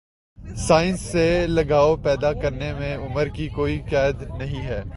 science سے لگاؤ پیدا کرنے میں عمر کی کوئی قید نہیں ہے